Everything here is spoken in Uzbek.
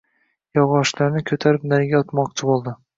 Yog‘ochlarni ko‘tarib nariga otmoqchi bo‘ldi